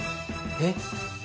えっ？